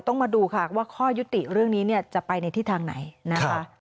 ลองคิดดูถ้าเกิดหัวหน้างาน